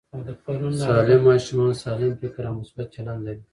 سالم ماشومان سالم فکر او مثبت چلند لري.